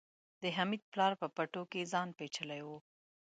د حميد پلار په پټو کې ځان پيچلی و.